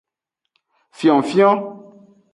Fionfion.